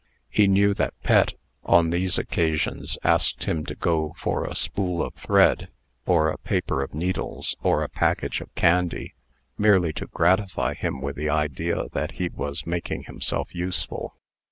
He knew that Pet, on these occasions, asked him to go for a spool of thread, or a paper of needles, or a package of candy, merely to gratify him with the idea that he was making himself useful.